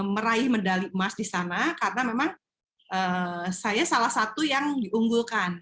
meraih medali emas di sana karena memang saya salah satu yang diunggulkan